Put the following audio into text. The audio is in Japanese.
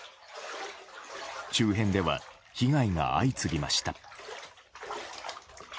周辺では被害が相次ぎました。